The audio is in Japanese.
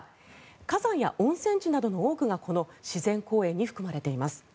火山や温泉地などの多くがこの自然公園に含まれています。